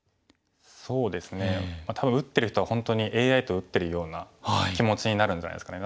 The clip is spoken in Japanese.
そうですね多分打ってる人は本当にＡＩと打ってるような気持ちになるんじゃないですかね。